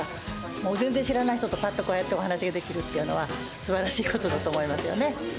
もう全然知らない人とぱっとこうやってお話しができるっていうのは、すばらしいことだと思いますよね。